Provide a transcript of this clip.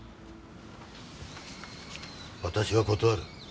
私は断る。